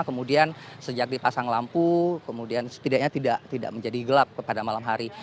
kemudian sejak dipasang lampu kemudian setidaknya tidak menjadi gelap pada malam hari